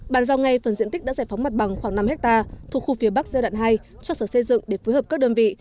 bàn giao ngay phần diện tích đã giải phóng mặt bằng khoảng năm ha thuộc khu phía bắc giai đoạn hai cho sở xây dựng để phối hợp các đơn vị